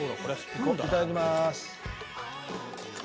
いただきます。